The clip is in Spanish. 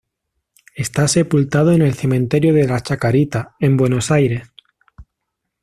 Está sepultado en el Cementerio de la Chacarita en Buenos Aires.